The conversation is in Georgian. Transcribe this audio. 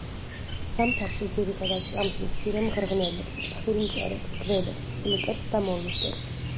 ზამთარში ძირითადად ჭამს მცირე მღრღნელებს, მსხვილ მწერებს, გველებს, ხვლიკებს და მოლუსკებს.